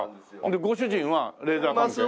でご主人はレーザー関係？